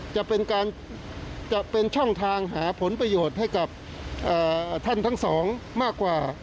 จะเป็นช่องทางหาผลประโยชน์ให้กับท่านทั้ง๒มากกว่า